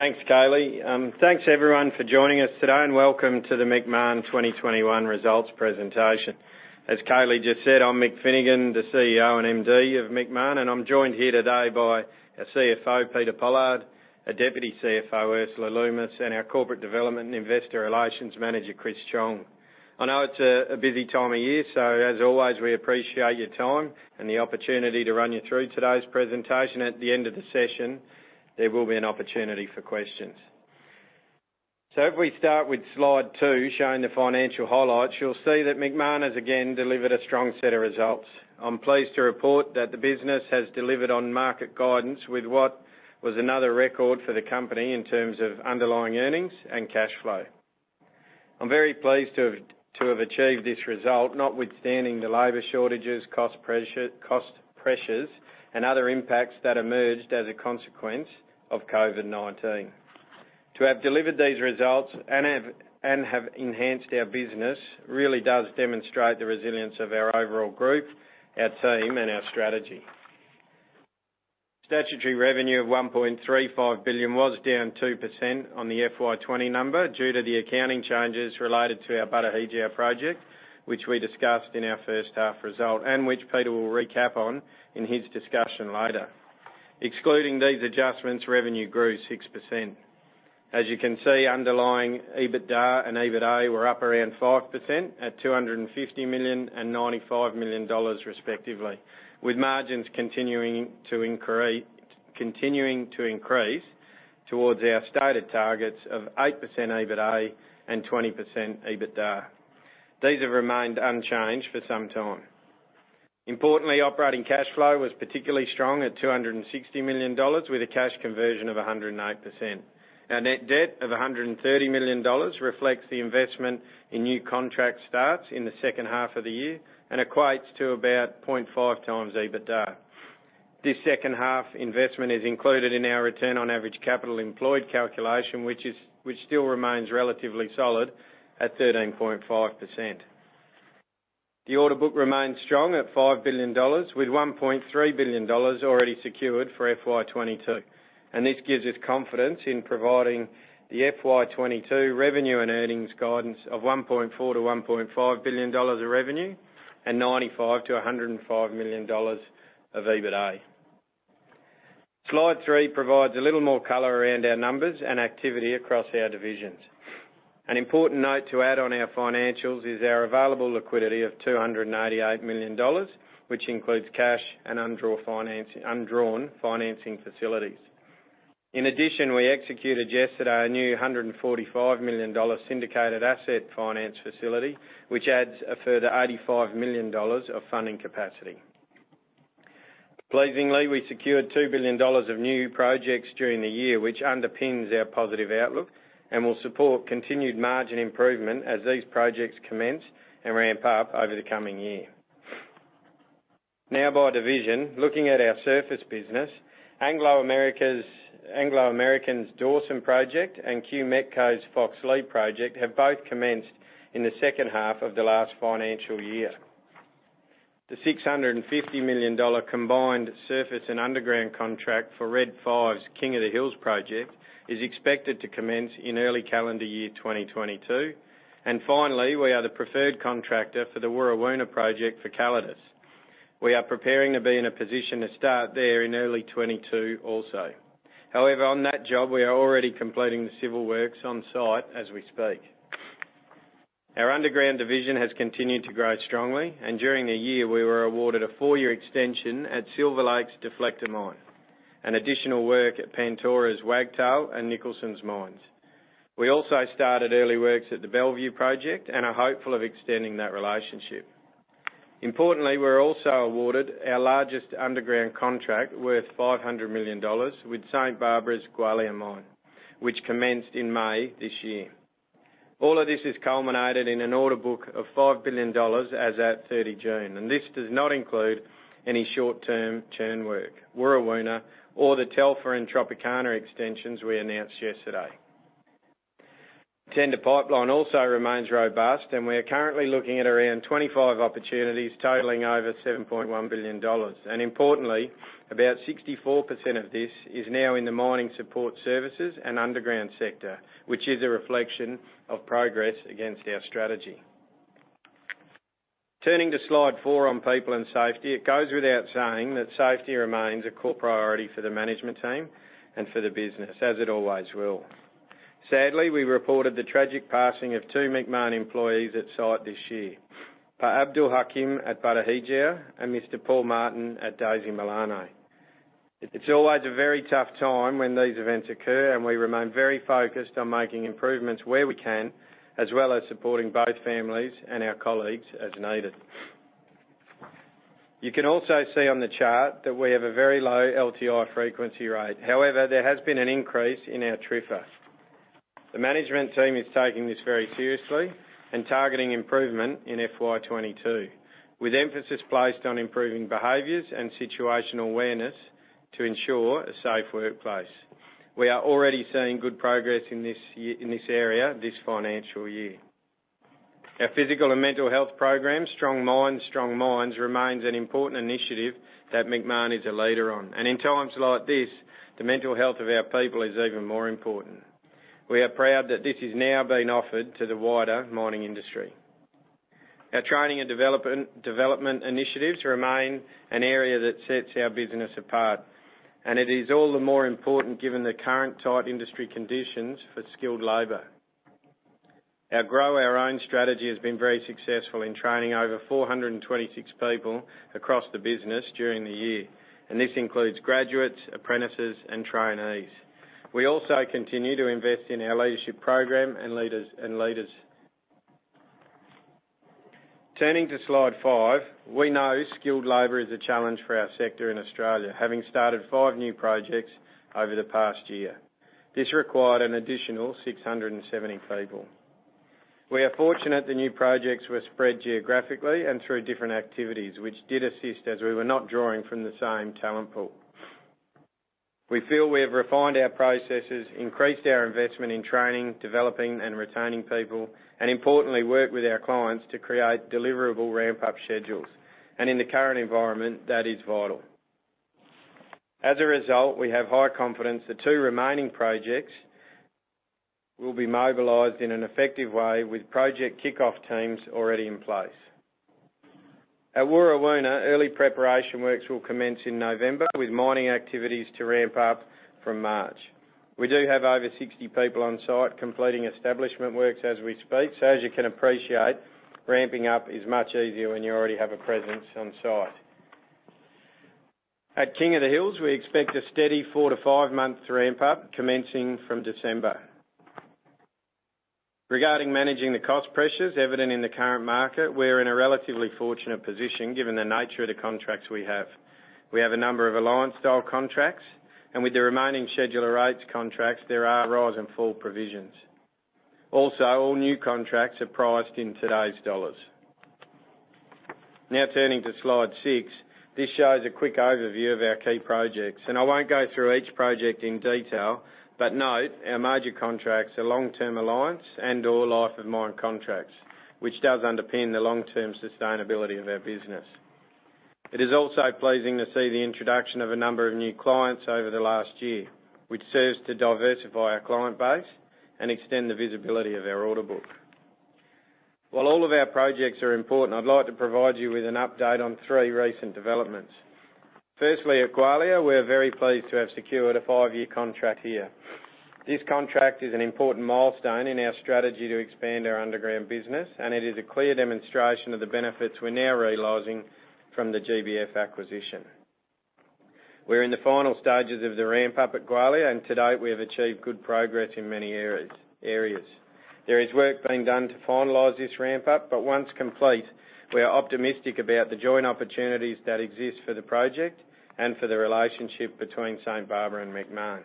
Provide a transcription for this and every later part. Thanks, Kaylee. Thanks everyone for joining us today. Welcome to the Macmahon 2021 results presentation. As Kaylee just said, I'm Mick Finnegan, the CEO and MD of Macmahon. I'm joined here today by our CFO, Peter Pollard, our Deputy CFO, Ursula Loomes, our Corporate Development and Investor Relations Manager, Chris Chong. I know it's a busy time of year. As always, we appreciate your time and the opportunity to run you through today's presentation. At the end of the session, there will be an opportunity for questions. If we start with slide two, showing the financial highlights, you'll see that Macmahon has again delivered a strong set of results. I'm pleased to report that the business has delivered on market guidance with what was another record for the company in terms of underlying earnings and cash flow. I'm very pleased to have achieved this result, notwithstanding the labor shortages, cost pressures, and other impacts that emerged as a consequence of COVID-19. To have delivered these results and have enhanced our business really does demonstrate the resilience of our overall group, our team, and our strategy. Statutory revenue of 1.35 billion was down 2% on the FY 2020 number due to the accounting changes related to our Batu Hijau project, which we discussed in our first half result, and which Peter will recap on in his discussion later. Excluding these adjustments, revenue grew 6%. As you can see, underlying EBITDA and EBITA were up around 5% at 250 million and 95 million dollars respectively, with margins continuing to increase towards our stated targets of 8% EBITA and 20% EBITDA. These have remained unchanged for some time. Importantly, operating cash flow was particularly strong at 260 million dollars, with a cash conversion of 108%. Our net debt of 130 million dollars reflects the investment in new contract starts in the second half of the year and equates to about 0.5x EBITDA. This second half investment is included in our return on average capital employed calculation, which still remains relatively solid at 13.5%. The order book remains strong at 5 billion dollars, with 1.3 billion dollars already secured for FY 2022. This gives us confidence in providing the FY 2022 revenue and earnings guidance of 1.4-1.5 billion dollars of revenue and 95-105 million dollars of EBITA. slide three provides a little more color around our numbers and activity across our divisions. An important note to add on our financials is our available liquidity of 288 million dollars, which includes cash and undrawn financing facilities. In addition, we executed yesterday a new 145 million dollars syndicated asset finance facility, which adds a further 85 million dollars of funding capacity. Pleasingly, we secured 2 billion dollars of new projects during the year, which underpins our positive outlook and will support continued margin improvement as these projects commence and ramp up over the coming year. Now by division, looking at our surface business, Anglo American's Dawson project and QMetco's Foxleigh project have both commenced in the second half of the last financial year. The 650 million dollar combined surface and underground contract for Red 5's King of the Hills project is expected to commence in early calendar year 2022. Finally, we are the preferred contractor for the Warrawoona project for Calidus. We are preparing to be in a position to start there in early 2022 also. However, on that job, we are already completing the civil works on site as we speak. Our underground division has continued to grow strongly, and during the year we were awarded a four-year extension at Silver Lake's Deflector Mine, and additional work at Pantoro's Wagtail and Nicolsons mines. We also started early works at the Bellevue project and are hopeful of extending that relationship. Importantly, we were also awarded our largest underground contract worth 500 million dollars with St Barbara's Gwalia Mine, which commenced in May this year. All of this has culminated in an order book of 5 billion dollars as at 30 June, and this does not include any short-term churn work, Warrawoona, or the Telfer and Tropicana extensions we announced yesterday. Tender pipeline also remains robust, and we are currently looking at around 25 opportunities totaling over 7.1 billion dollars. Importantly, about 64% of this is now in the mining support services and underground sector, which is a reflection of progress against our strategy. Turning to slide four on people and safety, it goes without saying that safety remains a core priority for the management team and for the business, as it always will. Sadly, we reported the tragic passing of two Macmahon employees at site this year. Abdul Hakim at Batu Hijau and Mr. Paul Martin at Daisy Milano. It's always a very tough time when these events occur, and we remain very focused on making improvements where we can, as well as supporting both families and our colleagues as needed. You can also see on the chart that we have a very low LTI frequency rate. There has been an increase in our TRIFR. The management team is taking this very seriously and targeting improvement in FY 2022, with emphasis placed on improving behaviors and situational awareness to ensure a safe workplace. We are already seeing good progress in this area this financial year. Our physical and mental health program, Strong Minds, Strong Mines, remains an important initiative that Macmahon is a leader on. In times like this, the mental health of our people is even more important. We are proud that this is now being offered to the wider mining industry. Our training and development initiatives remain an area that sets our business apart, and it is all the more important given the current tight industry conditions for skilled labor. Our Grow Our Own strategy has been very successful in training over 426 people across the business during the year, and this includes graduates, apprentices, and trainees. We also continue to invest in our leadership program and leaders. Turning to slide five. We know skilled labor is a challenge for our sector in Australia, having started five new projects over the past year. This required an additional 670 people. We are fortunate the new projects were spread geographically and through different activities, which did assist as we were not drawing from the same talent pool. We feel we have refined our processes, increased our investment in training, developing, and retaining people, importantly, work with our clients to create deliverable ramp-up schedules. In the current environment, that is vital. As a result, we have high confidence the two remaining projects will be mobilized in an effective way with project kickoff teams already in place. At Warrawoona, early preparation works will commence in November, with mining activities to ramp up from March. We do have over 60 people on site completing establishment works as we speak, as you can appreciate, ramping up is much easier when you already have a presence on site. At King of the Hills, we expect a steady four to five months ramp up commencing from December. Regarding managing the cost pressures evident in the current market, we're in a relatively fortunate position given the nature of the contracts we have. We have a number of alliance-style contracts, with the remaining schedule of rates contracts, there are rise and fall provisions. Also, all new contracts are priced in today's dollars. Now turning to slide six. This shows a quick overview of our key projects. I won't go through each project in detail, note our major contracts are long-term alliance and/or life of mine contracts, which does underpin the long-term sustainability of our business. It is also pleasing to see the introduction of a number of new clients over the last year, which serves to diversify our client base and extend the visibility of our order book. While all of our projects are important, I'd like to provide you with an update on three recent developments. Firstly, at Gwalia, we're very pleased to have secured a five-year contract here. This contract is an important milestone in our strategy to expand our underground business, and it is a clear demonstration of the benefits we're now realizing from the GBF acquisition. We're in the final stages of the ramp-up at Gwalia, and to date, we have achieved good progress in many areas. There is work being done to finalize this ramp-up, but once complete, we are optimistic about the joint opportunities that exist for the project and for the relationship between St Barbara and Macmahon.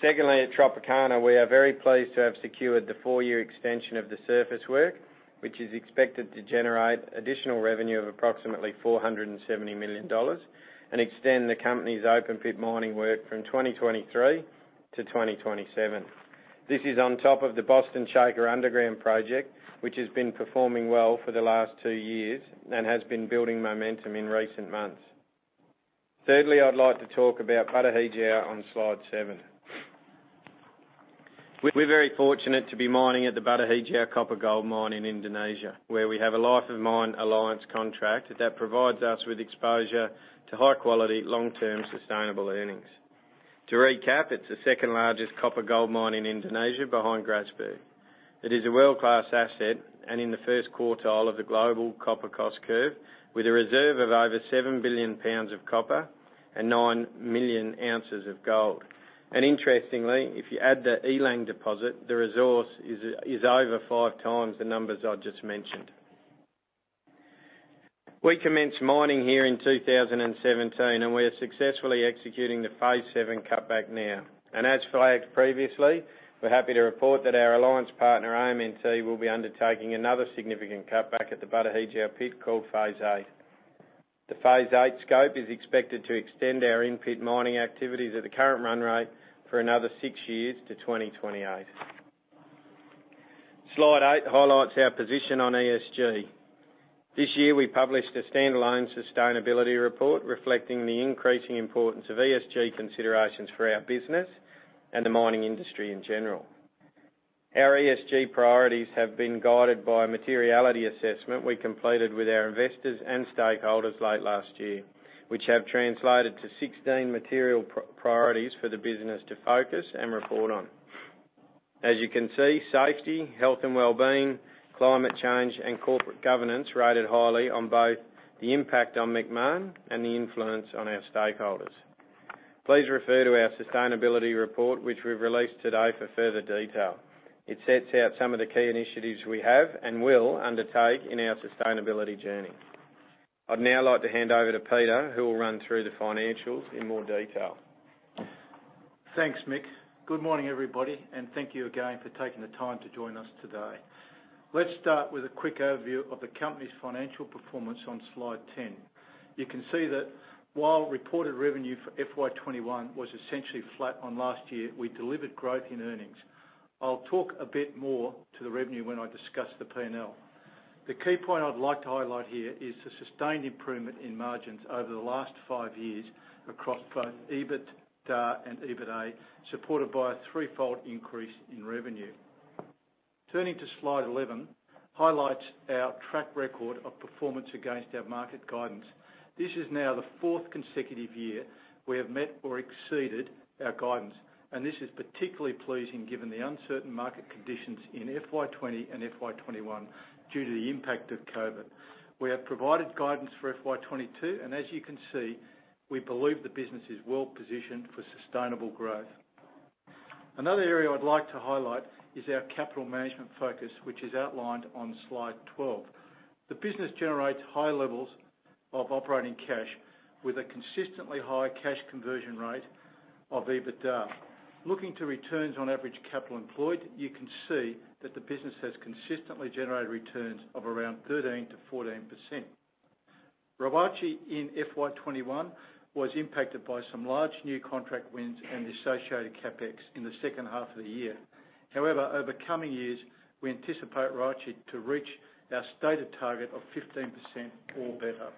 Secondly, at Tropicana, we are very pleased to have secured the four-year extension of the surface work, which is expected to generate additional revenue of approximately 470 million dollars and extend the company's open pit mining work from 2023 to 2027. This is on top of the Boston Shaker Underground Project, which has been performing well for the last two years and has been building momentum in recent months. Thirdly, I'd like to talk about Batu Hijau on slide seven. We're very fortunate to be mining at the Batu Hijau copper-gold mine in Indonesia, where we have a life of mine alliance contract that provides us with exposure to high-quality, long-term sustainable earnings. To recap, it's the second-largest copper-gold mine in Indonesia behind Grasberg. It is a world-class asset and in the first quartile of the global copper cost curve with a reserve of over 7 billion pounds of copper and 9 million ounces of gold. Interestingly, if you add the Elang deposit, the resource is over 5x the numbers I just mentioned. We commenced mining here in 2017, we are successfully executing the phase VII cutback now. As flagged previously, we're happy to report that our alliance partner, AMNT, will be undertaking another significant cutback at the Batu Hijau pit called phase VIII. The phase VIII scope is expected to extend our in-pit mining activities at the current run rate for another six years to 2028. slide eight highlights our position on ESG. This year, we published a standalone sustainability report reflecting the increasing importance of ESG considerations for our business and the mining industry in general. Our ESG priorities have been guided by a materiality assessment we completed with our investors and stakeholders late last year, which have translated to 16 material priorities for the business to focus and report on. As you can see, safety, health and wellbeing, climate change, and corporate governance rated highly on both the impact on Macmahon and the influence on our stakeholders. Please refer to our sustainability report, which we've released today for further detail. It sets out some of the key initiatives we have and will undertake in our sustainability journey. I'd now like to hand over to Peter, who will run through the financials in more detail. Thanks, Mick. Good morning, everybody. Thank you again for taking the time to join us today. Let's start with a quick overview of the company's financial performance on slide 10. You can see that while reported revenue for FY 2021 was essentially flat on last year, we delivered growth in earnings. I'll talk a bit more to the revenue when I discuss the P&L. The key point I'd like to highlight here is the sustained improvement in margins over the last five years across both EBITDA and EBITA, supported by a threefold increase in revenue. Turning to slide 11, highlights our track record of performance against our market guidance. This is now the fourth consecutive year we have met or exceeded our guidance, and this is particularly pleasing given the uncertain market conditions in FY 2020 and FY 2021 due to the impact of COVID. We have provided guidance for FY 2022, and as you can see, we believe the business is well-positioned for sustainable growth. Another area I'd like to highlight is our capital management focus, which is outlined on slide 12. The business generates high levels of operating cash with a consistently high cash conversion rate of EBITDA. Looking to returns on average capital employed, you can see that the business has consistently generated returns of around 13%-14%. ROACE in FY 2021 was impacted by some large new contract wins and the associated CapEx in the second half of the year. However, over coming years, we anticipate ROACE to reach our stated target of 15% or better.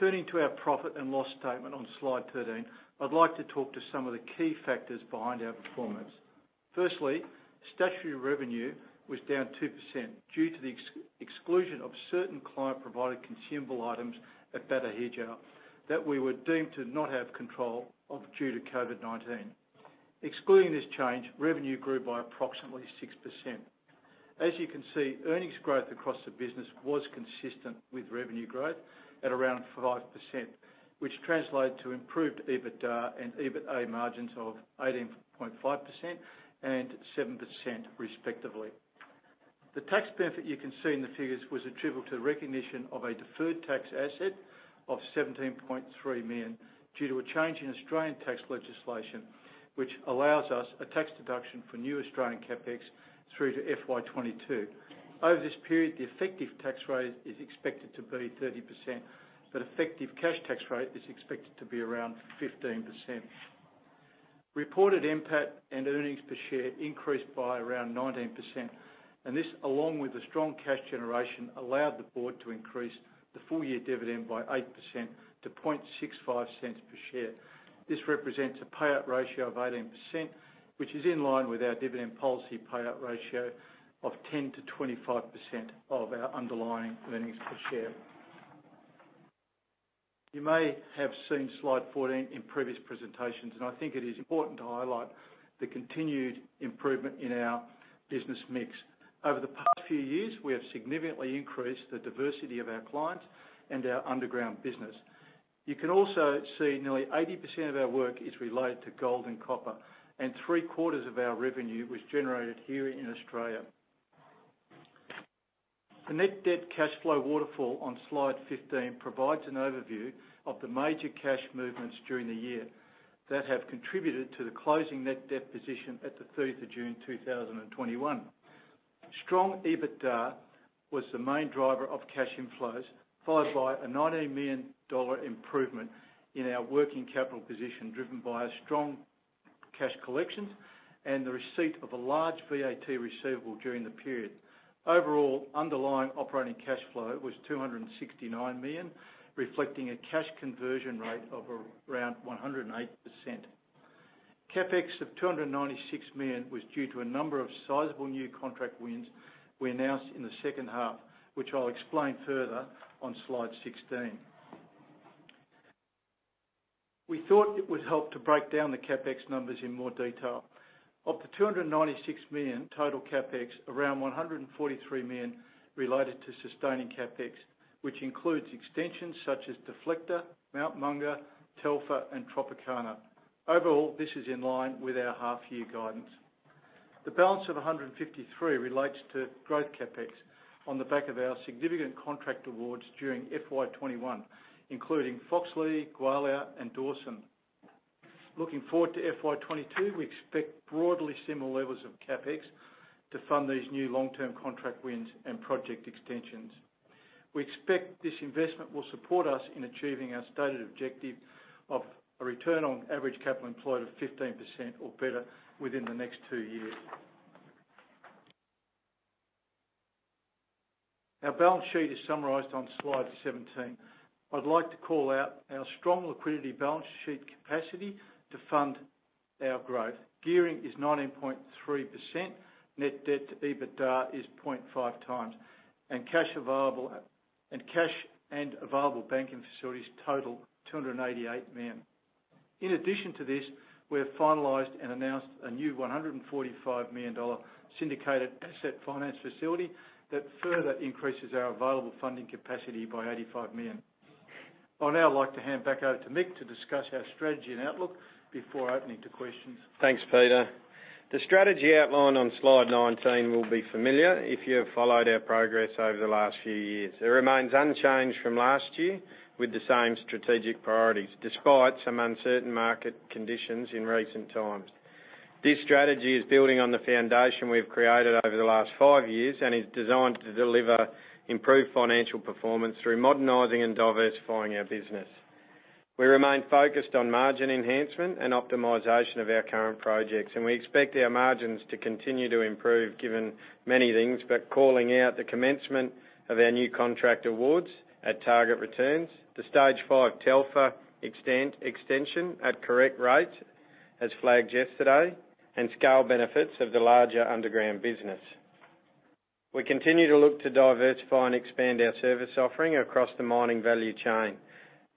Turning to our profit and loss statement on slide 13, I'd like to talk to some of the key factors behind our performance. Firstly, statutory revenue was down 2% due to the exclusion of certain client-provided consumable items at Batu Hijau that we were deemed to not have control of due to COVID-19. Excluding this change, revenue grew by approximately 6%. As you can see, earnings growth across the business was consistent with revenue growth at around 5%, which translated to improved EBITDA and EBITA margins of 18.5% and 7% respectively. The tax benefit you can see in the figures was attributable to the recognition of a deferred tax asset of 17.3 million due to a change in Australian tax legislation, which allows us a tax deduction for new Australian CapEx through to FY 2022. Over this period, the effective tax rate is expected to be 30%, but effective cash tax rate is expected to be around 15%. Reported NPAT and earnings per share increased by around 19%. This, along with the strong cash generation, allowed the board to increase the full-year dividend by 8% to 0.0065 per share. This represents a payout ratio of 18%, which is in line with our dividend policy payout ratio of 10%-25% of our underlying earnings per share. You may have seen slide 14 in previous presentations. I think it is important to highlight the continued improvement in our business mix. Over the past few years, we have significantly increased the diversity of our clients and our underground business. You can also see nearly 80% of our work is related to gold and copper. Three-quarters of our revenue was generated here in Australia. The net debt cash flow waterfall on slide 15 provides an overview of the major cash movements during the year that have contributed to the closing net debt position at the 30th of June 2021. Strong EBITDA was the main driver of cash inflows, followed by an 19 million dollar improvement in our working capital position, driven by strong cash collections and the receipt of a large VAT receivable during the period. Overall, underlying operating cash flow was 269 million, reflecting a cash conversion rate of around 108%. CapEx of 296 million was due to a number of sizable new contract wins we announced in the second half, which I will explain further on slide 16. We thought it would help to break down the CapEx numbers in more detail. Of the 296 million total CapEx, around 143 million related to sustaining CapEx, which includes extensions such as Deflector, Mount Monger, Telfer, and Tropicana. Overall, this is in line with our half-year guidance. The balance of 153 million relates to growth CapEx on the back of our significant contract awards during FY 2021, including Foxleigh, Gwalia, and Dawson. Looking forward to FY 2022, we expect broadly similar levels of CapEx to fund these new long-term contract wins and project extensions. We expect this investment will support us in achieving our stated objective of a return on average capital employed of 15% or better within the next two years. Our balance sheet is summarized on slide 17. I'd like to call out our strong liquidity balance sheet capacity to fund our growth. Gearing is 19.3%, net debt to EBITDA is 0.5x, and cash and available banking facilities total 288 million. In addition to this, we have finalized and announced a new 145 million dollar syndicated asset finance facility that further increases our available funding capacity by 85 million. I would now like to hand back over to Mick to discuss our strategy and outlook before opening to questions. Thanks, Peter. The strategy outlined on slide 19 will be familiar if you have followed our progress over the last few years. It remains unchanged from last year with the same strategic priorities, despite some uncertain market conditions in recent times. This strategy is building on the foundation we've created over the last five years and is designed to deliver improved financial performance through modernizing and diversifying our business. We remain focused on margin enhancement and optimization of our current projects. We expect our margins to continue to improve given many things. Calling out the commencement of our new contract awards at target returns, the Stage 5 Telfer extension at correct rates, as flagged yesterday, and scale benefits of the larger underground business. We continue to look to diversify and expand our service offering across the mining value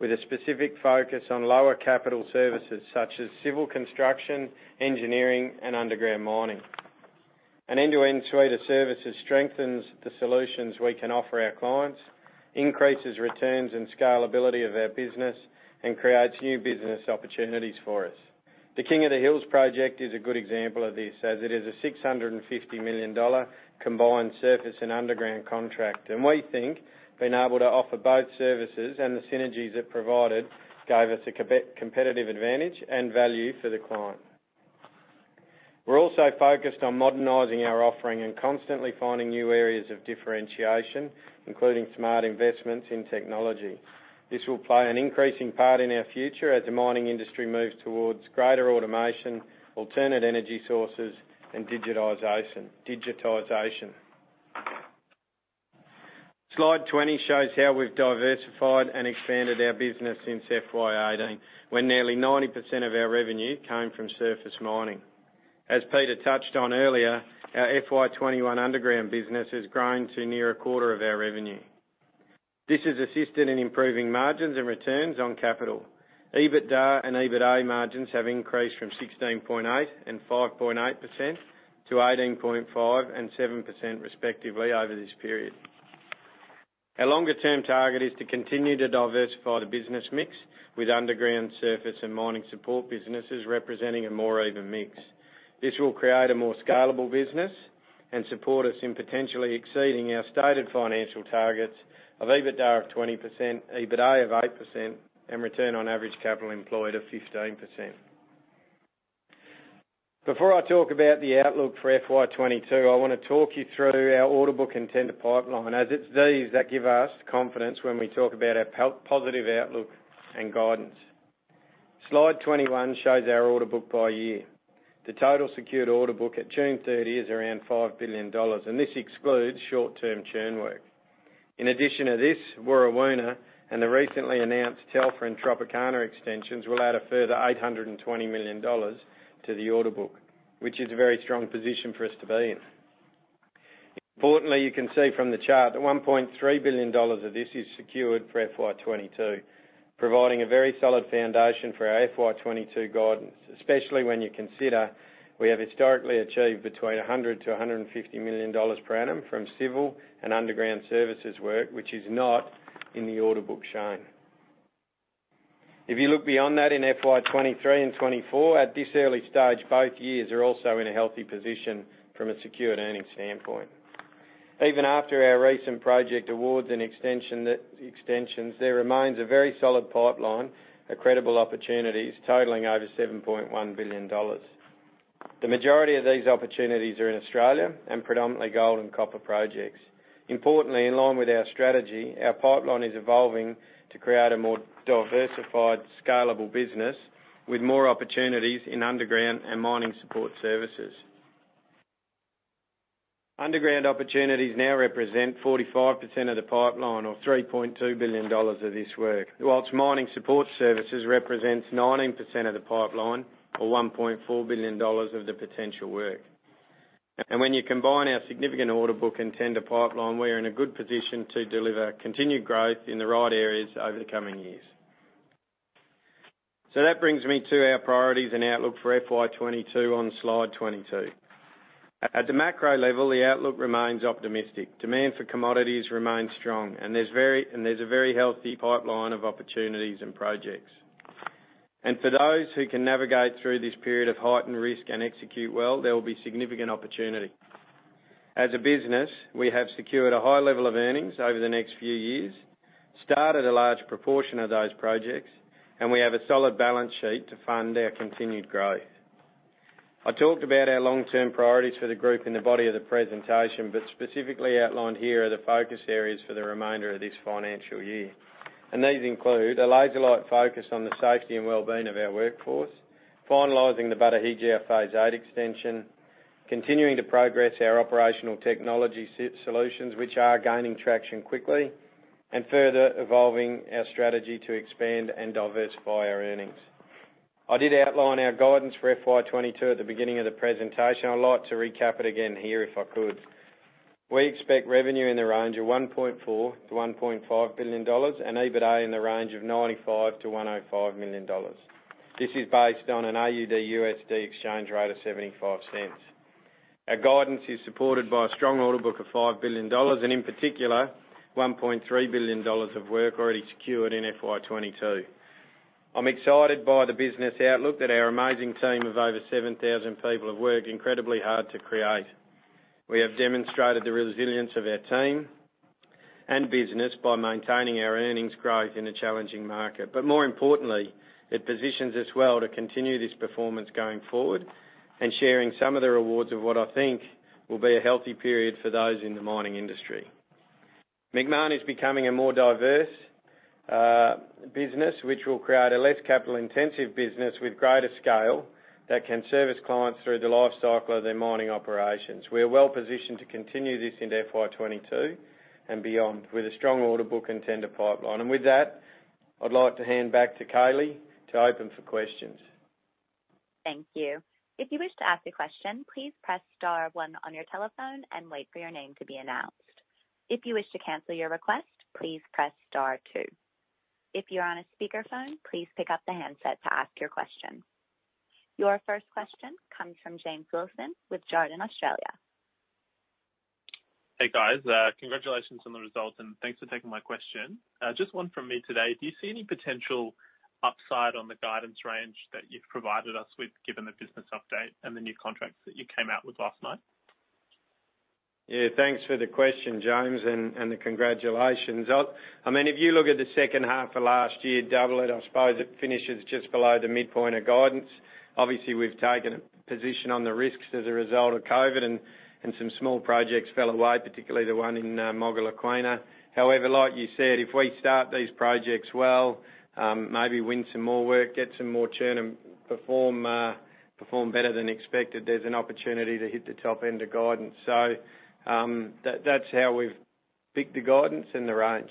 chain, with a specific focus on lower capital services such as civil construction, engineering, and underground mining. An end-to-end suite of services strengthens the solutions we can offer our clients, increases returns and scalability of our business, and creates new business opportunities for us. The King of the Hills project is a good example of this, as it is an 650 million dollar combined surface and underground contract. We think being able to offer both services and the synergies it provided gave us a competitive advantage and value for the client. We're also focused on modernizing our offering and constantly finding new areas of differentiation, including smart investments in technology. This will play an increasing part in our future as the mining industry moves towards greater automation, alternate energy sources, and digitization. slide 20 shows how we've diversified and expanded our business since FY 2018, when nearly 90% of our revenue came from surface mining. As Peter touched on earlier, our FY 2021 underground business has grown to near a quarter of our revenue. This has assisted in improving margins and returns on capital. EBITDA and EBITA margins have increased from 16.8% and 5.8% to 18.5% and 7%, respectively, over this period. Our longer-term target is to continue to diversify the business mix with underground surface and mining support businesses representing a more even mix. This will create a more scalable business and support us in potentially exceeding our stated financial targets of EBITDA of 20%, EBITA of 8%, and return on average capital employed of 15%. Before I talk about the outlook for FY 2022, I want to talk you through our order book and tender pipeline, as it's these that give us confidence when we talk about our positive outlook and guidance. slide 21 shows our order book by year. The total secured order book at June 30 is around 5 billion dollars. This excludes short-term churn work. In addition to this, Warrawoona and the recently announced Telfer and Tropicana extensions will add a further 820 million dollars to the order book, which is a very strong position for us to be in. Importantly, you can see from the chart that 1.3 billion dollars of this is secured for FY 2022, providing a very solid foundation for our FY 2022 guidance, especially when you consider we have historically achieved between 100 to 150 million dollars per annum from civil and underground services work, which is not in the order book shown. If you look beyond that in FY 2023 and 2024, at this early stage, both years are also in a healthy position from a secured earnings standpoint. Even after our recent project awards and extensions, there remains a very solid pipeline of credible opportunities totaling over 7.1 billion dollars. The majority of these opportunities are in Australia and predominantly gold and copper projects. Importantly, in line with our strategy, our pipeline is evolving to create a more diversified, scalable business with more opportunities in underground and mining support services. Underground opportunities now represent 45% of the pipeline or 3.2 billion dollars of this work. Whilst mining support services represents 19% of the pipeline or 1.4 billion dollars of the potential work. When you combine our significant order book and tender pipeline, we're in a good position to deliver continued growth in the right areas over the coming years. That brings me to our priorities and outlook for FY 2022 on slide 22. At the macro level, the outlook remains optimistic. Demand for commodities remains strong, and there's a very healthy pipeline of opportunities and projects. For those who can navigate through this period of heightened risk and execute well, there will be significant opportunity. As a business, we have secured a high level of earnings over the next few years, started a large proportion of those projects, and we have a solid balance sheet to fund our continued growth. I talked about our long-term priorities for the group in the body of the presentation, but specifically outlined here are the focus areas for the remainder of this financial year. These include a laser-like focus on the safety and well-being of our workforce, finalizing the Batu Hijau Phase VIII extension, continuing to progress our operational technology solutions, which are gaining traction quickly, and further evolving our strategy to expand and diversify our earnings. I did outline our guidance for FY 2022 at the beginning of the presentation. I'd like to recap it again here if I could. We expect revenue in the range of AUD 1.4 to AUD 1.5 billion and EBITA in the range of AUD 95 to AUD 105 million. This is based on an AUD-USD exchange rate of 0.75. Our guidance is supported by a strong order book of AUD 5 billion and in particular, AUD 1.3 billion of work already secured in FY 2022. I'm excited by the business outlook that our amazing team of over 7,000 people have worked incredibly hard to create. We have demonstrated the resilience of our team and business by maintaining our earnings growth in a challenging market. More importantly, it positions us well to continue this performance going forward and sharing some of the rewards of what I think will be a healthy period for those in the mining industry. Macmahon is becoming a more diverse business, which will create a less capital-intensive business with greater scale that can service clients through the life cycle of their mining operations. We are well-positioned to continue this into FY 2022 and beyond, with a strong order book and tender pipeline. With that, I'd like to hand back to Kaylee to open for questions. Thank you. If you wish to ask a question, please press star one on your telephone and wait for your name to be announced. If you wish to cancel your request, please press star two. If you are on a speakerphone, please pick up the handset to ask your question. Your first question comes from James Wilson with Jarden Australia. Hey, guys. Congratulations on the results, and thanks for taking my question. Just one from me today. Do you see any potential upside on the guidance range that you've provided us with, given the business update and the new contracts that you came out with last night? Yeah, thanks for the question, James, and the congratulations. If you look at the second half of last year, double it, I suppose it finishes just below the midpoint of guidance. Obviously, we've taken a position on the risks as a result of COVID-19, and some small projects fell away, particularly the one in Mogalakwena. However, like you said, if we start these projects well, maybe win some more work, get some more churn and perform better than expected, there's an opportunity to hit the top end of guidance. That's how we've picked the guidance and the range.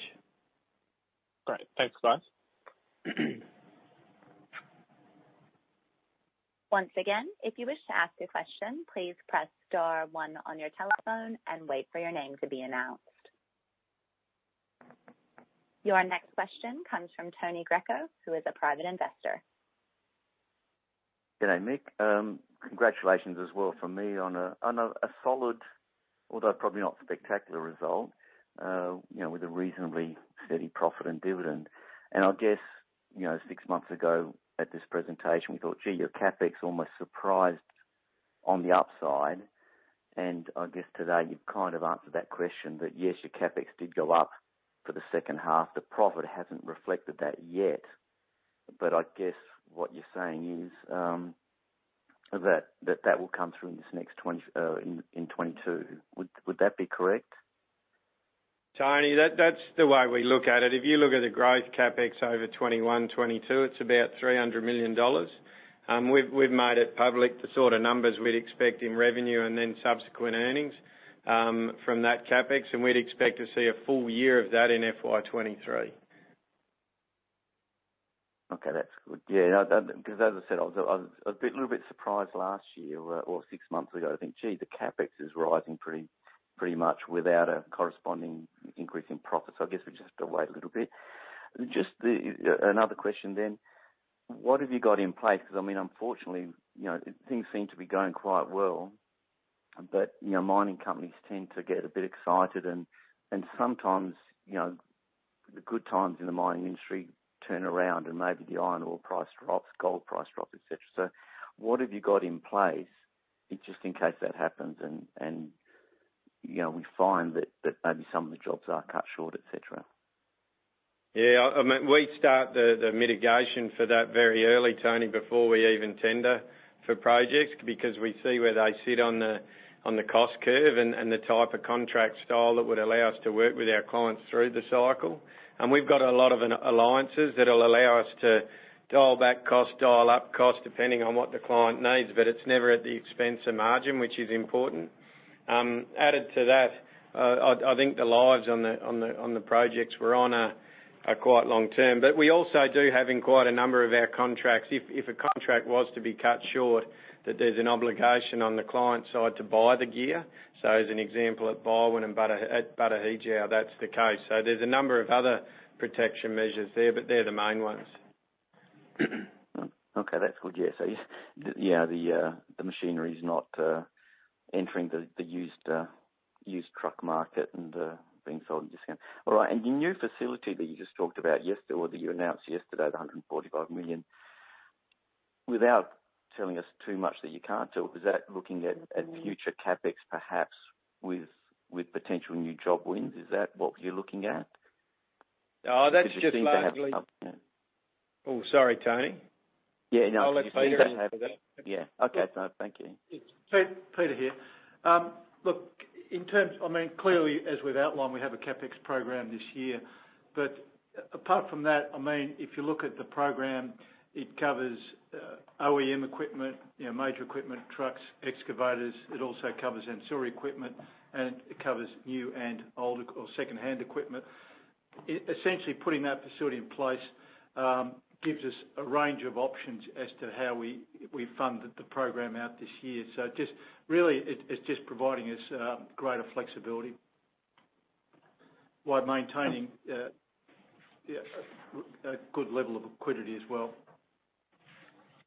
Great. Thanks, guys. Your next question comes from Tony Greco, who is a private investor. G'day, Mick. Congratulations as well from me on a solid, although probably not spectacular result, with a reasonably steady profit and dividend. I guess, six months ago at this presentation, we thought, gee, your CapEx almost surprised on the upside. I guess today you've kind of answered that question that, yes, your CapEx did go up for the second half. The profit hasn't reflected that yet. I guess what you're saying is, that will come through in 2022. Would that be correct? Tony, that's the way we look at it. If you look at the growth CapEx over 2021, 2022, it's about 300 million dollars. We've made it public the sort of numbers we'd expect in revenue and then subsequent earnings from that CapEx, and we'd expect to see a full-year of that in FY 2023. Okay, that's good. As I said, I was a little bit surprised last year or six months ago to think, gee, the CapEx is rising pretty much without a corresponding increase in profit. I guess we just have to wait a little bit. Just another question. What have you got in place? Unfortunately, things seem to be going quite well, but mining companies tend to get a bit excited, and sometimes the good times in the mining industry turn around and maybe the iron ore price drops, gold price drops, et cetera. What have you got in place just in case that happens, and we find that maybe some of the jobs are cut short, et cetera? Yeah, we start the mitigation for that very early, Tony, before we even tender for projects, because we see where they sit on the cost curve and the type of contract style that would allow us to work with our clients through the cycle. We've got a lot of alliances that'll allow us to dial back cost, dial up cost, depending on what the client needs, but it's never at the expense of margin, which is important. Added to that, I think the lives on the projects we're on are quite long-term. We also do have in quite a number of our contracts, if a contract was to be cut short, that there's an obligation on the client side to buy the gear. As an example at Byerwen and at Batu Hijau, that's the case. There's a number of other protection measures there, but they're the main ones. Okay, that's good. Yeah. The machinery is not entering the used truck market and being sold in discount. Your new facility that you just talked about yesterday, or that you announced yesterday, the 145 million. Without telling us too much that you can't tell, is that looking at future CapEx perhaps with potential new job wins? Is that what you're looking at? Oh, that's just. Oh, sorry, Tony. Yeah, no. I'll let Peter answer that. Yeah. Okay. No, thank you. Peter here. Clearly, as we've outlined, we have a CapEx program this year. Apart from that, if you look at the program, it covers OEM equipment, major equipment, trucks, excavators. It also covers ancillary equipment, and it covers new and old or secondhand equipment. Essentially, putting that facility in place gives us a range of options as to how we fund the program out this year. Really, it's just providing us greater flexibility while maintaining a good level of liquidity as well.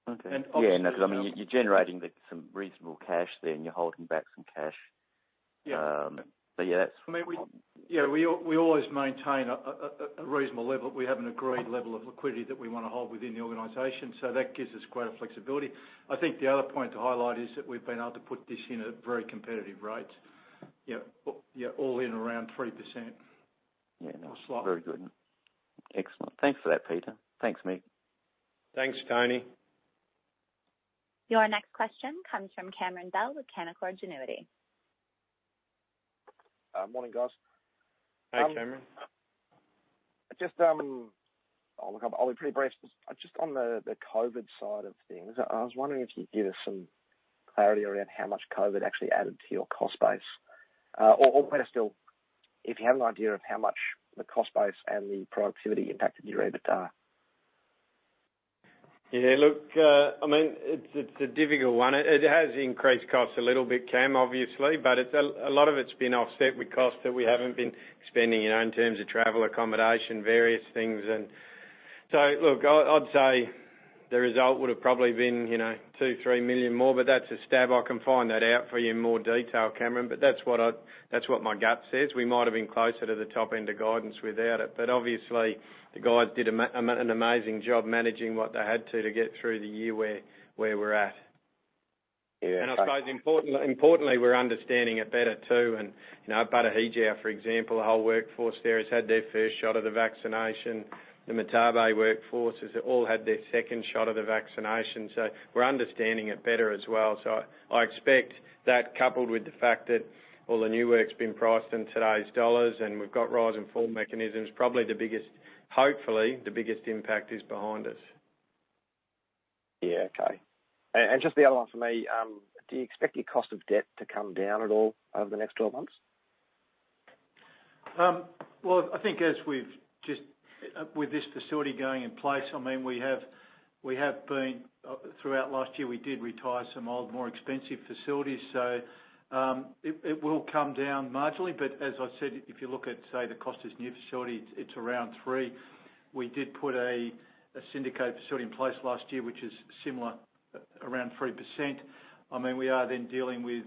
Okay. Yeah, no, because you're generating some reasonable cash there and you're holding back some cash. We always maintain a reasonable level. We have an agreed level of liquidity that we want to hold within the organization. That gives us greater flexibility. I think the other point to highlight is that we've been able to put this in at very competitive rates. All in around 3%. Yeah, that's very good. Excellent. Thanks for that, Peter. Thanks, Mick. Thanks, Tony. Your next question comes from Cameron Bell with Canaccord Genuity. Morning, guys. Hey, Cameron. I'll be pretty brief. Just on the COVID side of things, I was wondering if you could give us some clarity around how much COVID actually added to your cost base. Better still, if you have an idea of how much the cost base and the productivity impacted your EBITDA. Yeah. Look, it's a difficult one. It has increased costs a little bit, Cam, obviously, but a lot of it's been offset with costs that we haven't been spending, in terms of travel, accommodation, various things. Look, I'd say the result would've probably been 2, 3 million more, but that's a stab. I can find that out for you in more detail, Cameron, but that's what my gut says. We might've been closer to the top end of guidance without it, but obviously the guys did an amazing job managing what they had to get through the year, where we're at. Yeah. I suppose importantly, we're understanding it better too, and at Batu Hijau, for example, the whole workforce there has had their first shot of the vaccination. The Telfer workforce has all had their second shot of the vaccination. We're understanding it better as well. I expect that coupled with the fact that all the new work's been priced in today's dollars and we've got rise and fall mechanisms, hopefully the biggest impact is behind us. Yeah. Okay. Just the other one for me, do you expect your cost of debt to come down at all over the next 12 months? Well, I think with this facility going in place, throughout last year we did retire some old, more expensive facilities. It will come down marginally, but as I said, if you look at, say, the cost of this new facility, it's around 3%. We did put a syndicate facility in place last year, which is similar, around 3%. We are then dealing with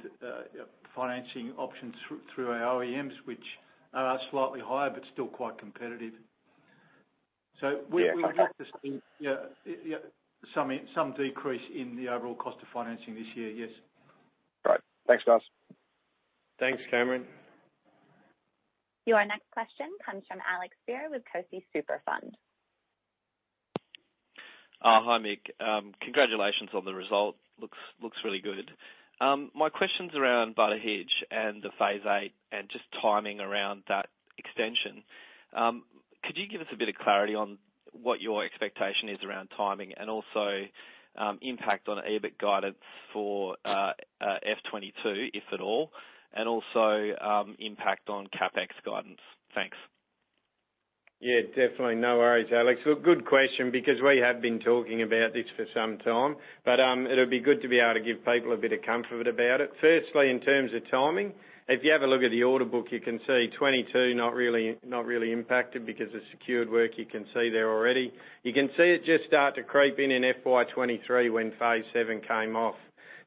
financing options through our OEMs, which are slightly higher, but still quite competitive. Yeah. Okay. Would look to see some decrease in the overall cost of financing this year. Yes. Great. Thanks, guys. Thanks, Cameron. Your next question comes from Alex Spear with Cbus Super. Hi, Mick. Congratulations on the result. Looks really good. My question's around Batu Hijau and the phase VIII, and just timing around that extension. Could you give us a bit of clarity on what your expectation is around timing and also impact on EBIT guidance for FY 2022, if at all, and also impact on CapEx guidance? Thanks. Yeah, definitely. No worries, Alex. Well, good question because we have been talking about this for some time, but it'll be good to be able to give people a bit of comfort about it. Firstly, in terms of timing, if you have a look at the order book, you can see 2022 not really impacted because it's secured work you can see there already. You can see it just start to creep in in FY 2023 when phase VII came off.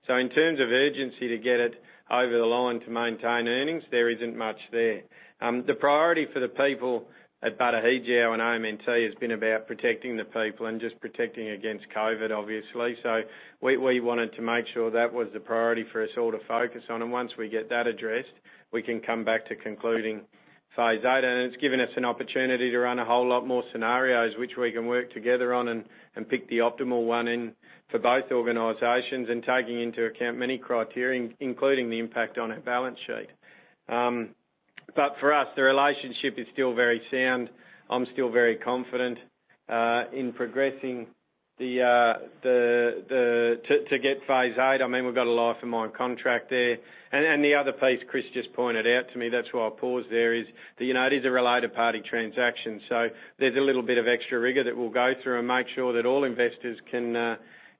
In terms of urgency to get it over the line to maintain earnings, there isn't much there. The priority for the people at Batu Hijau and AMNT has been about protecting the people and just protecting against COVID, obviously. We wanted to make sure that was the priority for us all to focus on, and once we get that addressed, we can come back to concluding phase VIII. It's given us an opportunity to run a whole lot more scenarios, which we can work together on and pick the optimal one in for both organizations and taking into account many criteria, including the impact on our balance sheet. For us, the relationship is still very sound. I'm still very confident in progressing to get phase VIII. We've got a life of mine contract there. The other piece Chris just pointed out to me, that's why I paused there is, it is a related party transaction, so there's a little bit of extra rigor that we'll go through and make sure that all investors can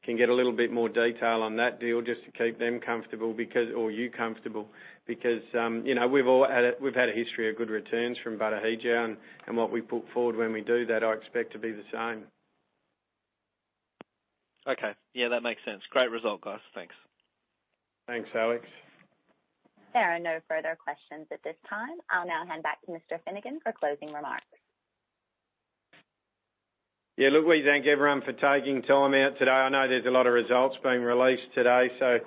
get a little bit more detail on that deal just to keep them comfortable or you comfortable because, we've had a history of good returns from Batu Hijau and what we put forward when we do that, I expect to be the same. Okay. Yeah, that makes sense. Great result, guys. Thanks. Thanks, Alex. There are no further questions at this time. I'll now hand back to Mr. Finnegan for closing remarks. Look, we thank everyone for taking time out today. I know there's a lot of results being released today, so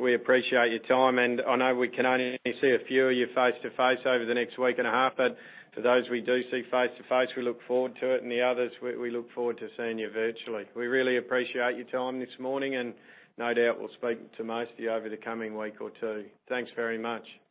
we appreciate your time, and I know we can only see a few of you face-to-face over the next week and a half, but for those we do see face-to-face, we look forward to it. The others, we look forward to seeing you virtually. We really appreciate your time this morning, and no doubt we'll speak to most of you over the coming week or two. Thanks very much.